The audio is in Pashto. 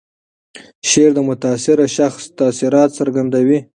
شعر د متاثر شخص تاثیرات څرګندوي.